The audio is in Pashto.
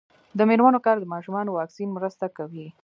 د میرمنو کار د ماشومانو واکسین مرسته کوي.